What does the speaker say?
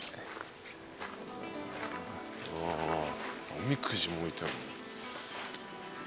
おみくじも置いてある。